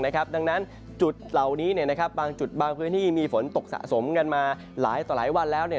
ดังนั้นจุดเหล่านี้บางจุดบางพื้นที่มีฝนตกสะสมกันมาหลายต่อหลายวันแล้ว